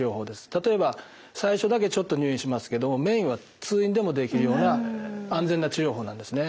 例えば最初だけちょっと入院しますけどメインは通院でもできるような安全な治療法なんですね。